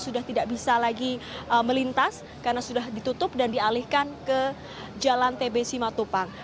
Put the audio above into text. sudah tidak bisa lagi melintas karena sudah ditutup dan dialihkan ke jalan tbc matupang